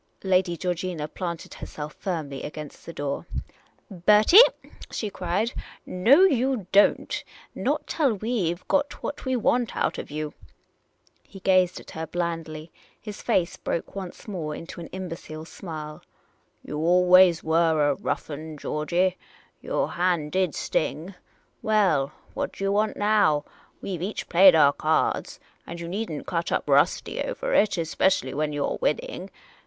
Lady Georgina planted herself firmly against the door. " Bertie," she cried, " no, you don't — not till we 've got what we want out of you !'' He gazed at her blandly. His face broke once more into an imbecile smile. '' You were always a rough ' un, Georgey. Your hand did sting ! Well, what do you want now ? We ' ve each played our cards, and you need n't cut up rusty over it — especially when you 're winning